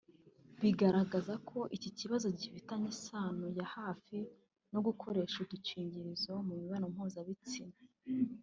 bigaragaza ko iki kibazo gifitanye isano ya hafi no kudakoresha udukingirizo mu mibonano mpuzabitsina